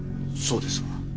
そうですが。